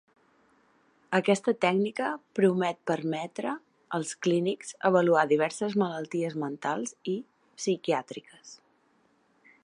Aquesta tècnica promet permetre als clínics avaluar diverses malalties mentals i psiquiàtriques.